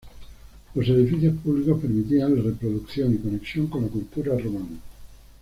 Los edificios públicos permitían la reproducción y conexión con la cultura romana.